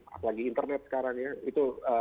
apalagi internet sekarang ya itu